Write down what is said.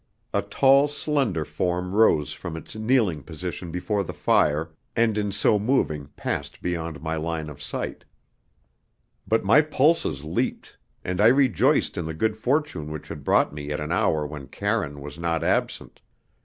A tall, slender form rose from its kneeling position before the fire, and in so moving passed beyond my line of sight. But my pulses leaped, and I rejoiced in the good fortune which had brought me at an hour when Karine was not absent.